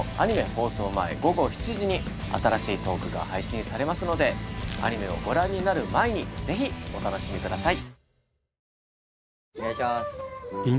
放送前午後７時に新しいトークが配信されますのでアニメをご覧になる前にぜひお楽しみください。